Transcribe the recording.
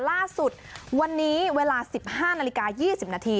ล่าสุดวันนี้เวลา๑๕นาฬิกา๒๐นาที